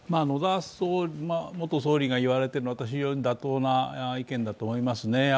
野田元総理が言われているのは非常に妥当な意見だと思いますね。